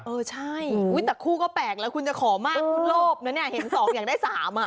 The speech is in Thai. เออใช่แต่คู่ก็แปลกแล้วคุณจะขอมากคุณโลภนะเนี่ยเห็น๒อยากได้๓อ่ะ